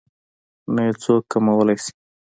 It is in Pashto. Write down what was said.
نه يې څوک کمولی شي.